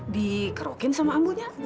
dikerokin sama ambunya